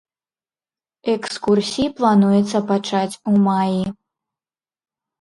Экскурсіі плануецца пачаць у маі.